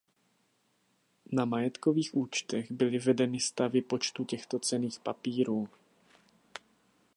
Na majetkových účtech byly vedeny stavy počtu těchto cenných papírů.